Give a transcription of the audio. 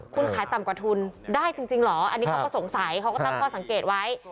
คุณขายต่ำกว่าทุนได้จริงเหรออันนี้เขาก็สงสัยเขาก็ตั้งข้อสังเกตไว้